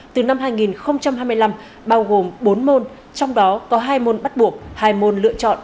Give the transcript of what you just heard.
từ năm hai nghìn hai mươi năm bao gồm bốn môn trong đó có hai môn bắt buộc hai môn lựa chọn